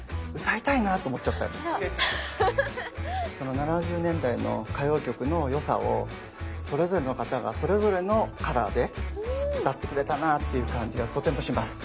７０年代の歌謡曲の良さをそれぞれの方がそれぞれのカラーで歌ってくれたなっていう感じがとてもします。